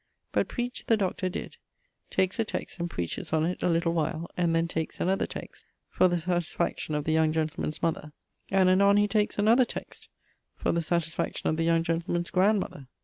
But preach the Dr. did: takes a text and preaches on it a little while; and then takes another text, for the satisfaction of the young gentleman's mother; and anon he takes another text, for the satisfaction of the young gentleman's grandmother.